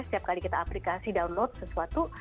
setiap kali kita aplikasi download sesuatu